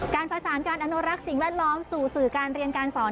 การประสานการอนุรักษ์สิ่งแวดล้อมสู่สื่อการเรียนการสอน